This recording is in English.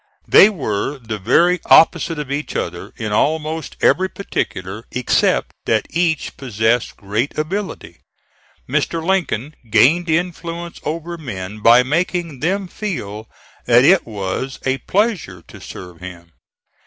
They were the very opposite of each other in almost every particular, except that each possessed great ability. Mr. Lincoln gained influence over men by making them feel that it was a pleasure to serve him.